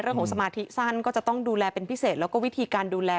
สมาธิสั้นก็จะต้องดูแลเป็นพิเศษแล้วก็วิธีการดูแล